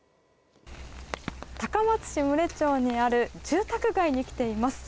高松市牟礼町にある住宅街に来ています。